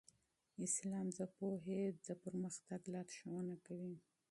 اسلام د پوهې د ودې لارښوونه کوي.